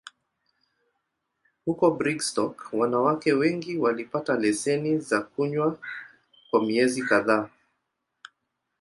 Huko Brigstock, wanawake wengine walipata leseni za kunywa kwa miezi kadhaa.